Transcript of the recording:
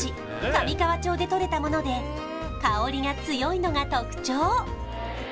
上川町でとれたもので香りが強いのが特徴